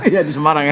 ya di semarang ya